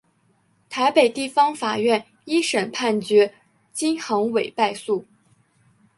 台北地方法院一审判决金恒炜败诉。